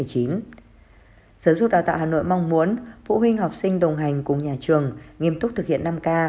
giáo dục đào tạo hà nội mong muốn phụ huynh học sinh đồng hành cùng nhà trường nghiêm túc thực hiện năm k